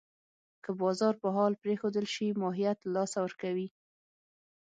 که بازار په حال پرېښودل شي، ماهیت له لاسه ورکوي.